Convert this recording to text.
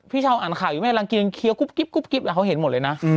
พี่เช้าอ่านข่าวอยู่แม่กำลังกินยังเคี้ยกุ๊บกิ๊บเขาเห็นหมดเลยนะ